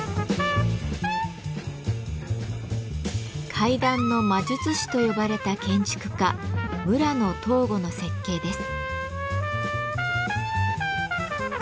「階段の魔術師」と呼ばれた建築家村野藤吾の設計です。